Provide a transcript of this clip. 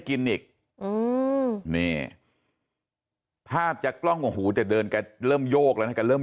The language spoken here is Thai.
กินอีกนี่ภาพจากกล้องหัวหูจะเดินกันเริ่มโยกแล้วกันเริ่ม